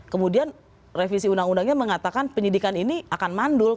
kemudian revisi undang undangnya mengatakan penyidikan ini akan mandul